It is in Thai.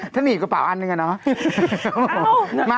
ถ้าหนีบกระเป๋าอันหนึ่งอะเนาะ